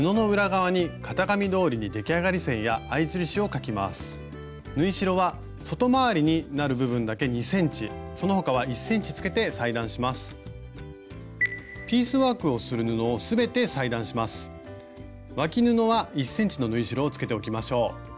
わき布は１ｃｍの縫い代をつけておきましょう。